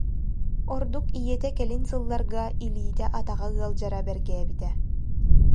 Ордук ийэтэ кэлин сылларга илиитэ-атаҕа ыалдьара бэргээбитэ